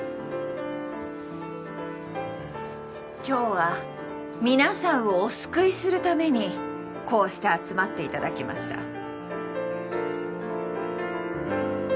今日は皆さんをお救いするためにこうして集まって頂きました。